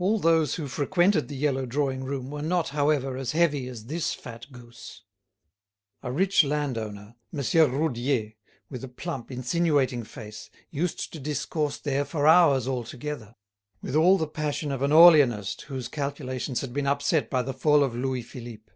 All those who frequented the yellow drawing room were not, however, as heavy as this fat goose. A rich landowner, Monsieur Roudier, with a plump, insinuating face, used to discourse there for hours altogether, with all the passion of an Orleanist whose calculations had been upset by the fall of Louis Philippe.